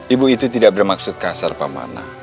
ibu itu tidak bermaksud kasar pak mana